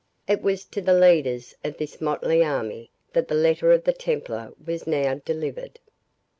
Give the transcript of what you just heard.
It was to the leaders of this motley army that the letter of the Templar was now delivered.